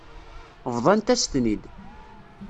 Bḍant-as-ten-id.